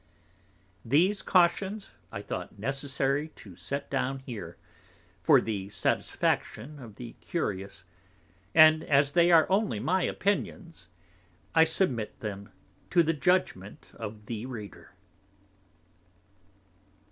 These Cautions I thought necessary to set down here, for the satisfaction of the Curious; and as they are only my Opinions, I submit them to the judgment of the Reader.